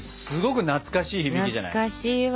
懐かしいわ。